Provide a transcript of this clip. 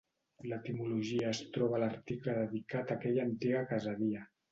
L'etimologia es troba a l'article dedicat a aquella antiga caseria.